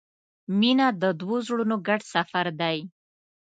• مینه د دوو زړونو ګډ سفر دی.